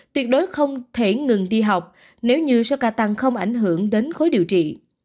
tuyệt đối không thể ngừng đi học nếu như số ca tăng không ảnh hưởng đến khối điều trị